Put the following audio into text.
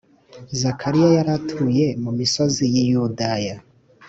Zakariya yari atuye “mu misozi y’i Yudaya